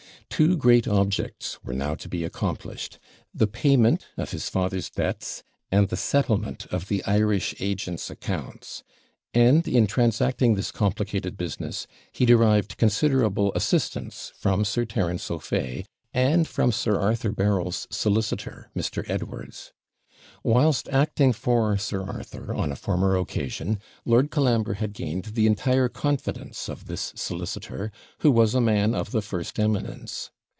Two great objects were now to be accomplished the payment of his father's debts, and the settlement of the Irish agent's accounts; and, in transacting this complicated business, he derived considerable assistance from Sir Terence O'Fay, and from Sir Arthur Berryl's solicitor, Mr. Edwards. Whilst acting for Sir Arthur, on a former occasion, Lord Colambre had gained the entire confidence of this solicitor, who was a man of the first eminence.